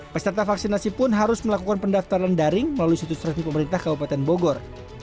peserta vaksinasi pun harus melakukan pendaftaran daring melalui situs resmi pemerintah kabupaten bogor